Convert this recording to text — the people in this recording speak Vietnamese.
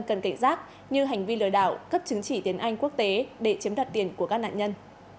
cần cảnh giác như hành vi lừa đảo cấp chứng chỉ tiếng anh quốc tế để chiếm đoạt tiền của các nạn nhân